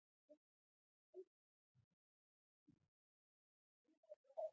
د خپل وطن مشکل نه بولو.